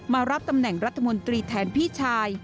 มารับตำแหน่งรัฐมนตรีแทนพี่ชาย